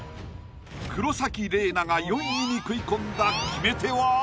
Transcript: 黒崎レイナが４位に食い込んだ決め手は？